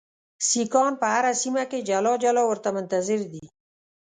سیکهان په هره سیمه کې جلا جلا ورته منتظر دي.